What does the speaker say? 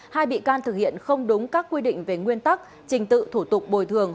hai bị can thực hiện không đúng các quy định về nguyên tắc trình tự thủ tục bồi thường